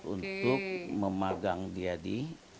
untuk memagang dia di